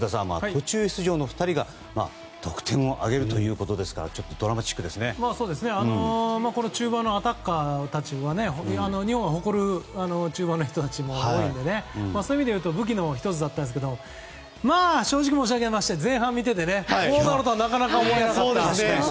途中出場の２人が得点を挙げるということですからこの中盤のアタッカーたちは日本が誇る中盤の人たちが多いのでそういう意味で言うと武器の１つだったんですけど正直申し上げまして前半見ていてこうなるとはなかなか思えなかった。